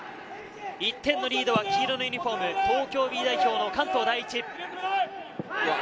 １点のリードは黄色のユニホーム、東京Ｂ代表の関東第一。